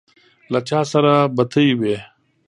له چا سره بتۍ وې.